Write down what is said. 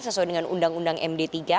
sesuai dengan undang undang md tiga